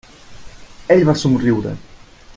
Ell va somriure.